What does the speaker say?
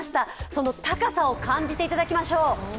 その高さを感じていただきましょう。